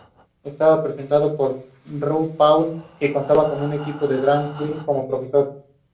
It had bought an existing store called The Banner Store and converted it.